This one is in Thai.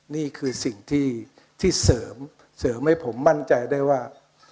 นี่คือสิ่งที่เสริมให้ผมมั่นใจได้ว่า